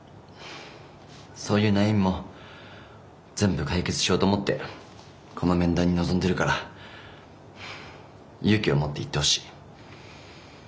そういう悩みも全部解決しようと思ってこの面談に臨んでるから勇気を持って言ってほしい。